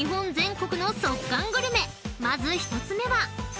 ［まず１つ目は］